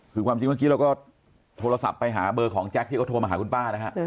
คือความจริง่งเค้าก็โทรศัพท์ไปเจ็กที่โทรมาหาคุณป้าค่ะ